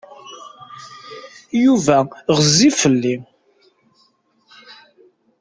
Yuba ɣezzif fell-i.